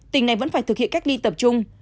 tỉnh này vẫn phải thực hiện cách ly tập trung